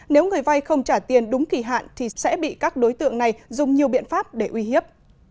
nếu người vay không trả tiền đúng kỳ hạn thì sẽ bị các đối tượng này dùng nhiều biện pháp để uy hiếp